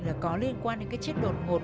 là có liên quan đến cái chết đột ngột